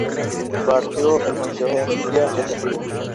Barrio del concejo de Murguía desde antiguo.